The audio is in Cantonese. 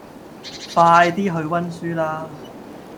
快啲去溫書啦